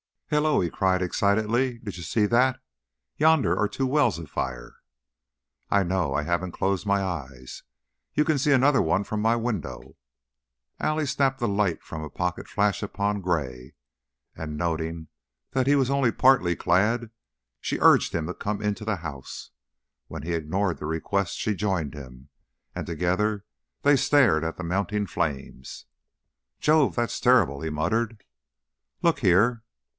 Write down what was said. "Hello!" he cried, excitedly. "Did you see that? Yonder are two wells afire." "I know. I haven't closed my eyes. You can see another one from my window." Allia snapped the light from a pocket flash upon Gray, and, noting that he was only partly clad, she urged him to come into the house. When he ignored the request she joined him, and together they stared at the mounting flames. "Jove! That's terrible!" he muttered. "Look here."